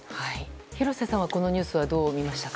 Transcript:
廣瀬さんはこのニュースどう見ましたか？